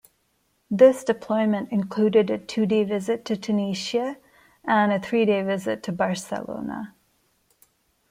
This deployment included a two-day visit to Tunisia and a three-day visit to Barcelona.